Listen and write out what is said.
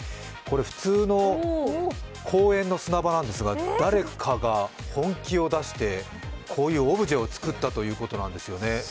普通の公園の砂場なんですが誰かが本気を出してこういうオブジェを作ったということなんですよね。